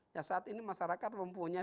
ya saat ini masyarakat mempunyai